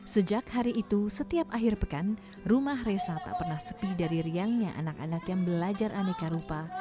sejak hari itu setiap akhir pekan rumah resa tak pernah sepi dari riangnya anak anak yang belajar aneka rupa